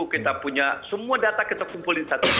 kita punya semua data kita kumpulin satu